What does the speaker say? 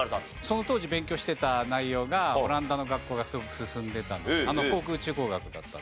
その当時勉強していた内容がオランダの学校がすごく進んでいたので航空宇宙工学だった。